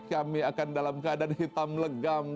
kami akan dalam keadaan hitam legam